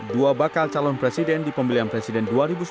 dua bakal calon presiden di pemilihan presiden dua ribu sembilan belas